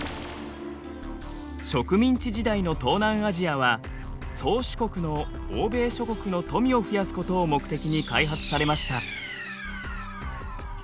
植民地時代の東南アジアは宗主国の欧米諸国の富を増やすことを目的に開発されました。